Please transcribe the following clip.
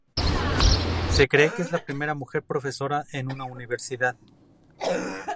Se cree que es la primera mujer profesora en una universidad.